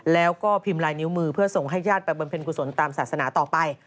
แล้วก็พิมพ์ลายนิ้วมือเพื่อส่งให้ญาติไปบำเพ็ญกุศลตามศาสนาต่อไป